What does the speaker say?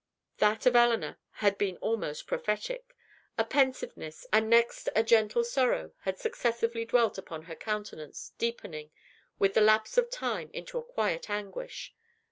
That of Elinor had been almost prophetic. A pensiveness, and next a gentle sorrow, had successively dwelt upon her countenance, deepening, with the lapse of time, into a quiet anguish.